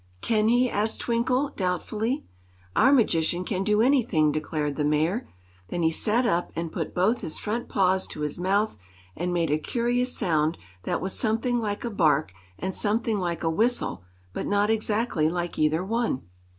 "Can he?" asked Twinkle, doubtfully. "Our magician can do anything," declared the Mayor. Then he sat up and put both his front paws to his mouth and made a curious sound that was something like a bark and something like a whistle, but not exactly like either one.